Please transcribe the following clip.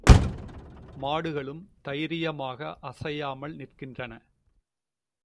மாடுகளும் தைரியமாக அசையாமல் நிற்கின்றன.